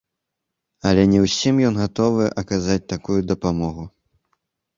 Але не ўсім ён гатовы аказаць такую дапамогу.